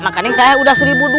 makanya saya udah seribu dua